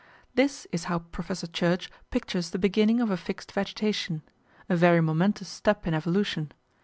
This is how Professor Church pictures the beginning of a fixed vegetation a very momentous step in evolution.